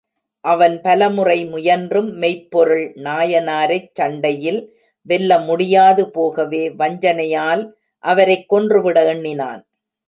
அவன் பலமுறை முயன்றும் மெய்ப்பொருள் நாயனாரைச் சண்டையில் வெல்ல முடியாது போகவே வஞ்சனையால் அவரைக் கொன்றுவிட எண்ணினான்.